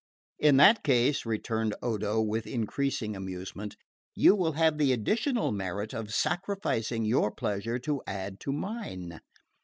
"In that case," returned Odo with increasing amusement, "you will have the additional merit of sacrificing your pleasure to add to mine."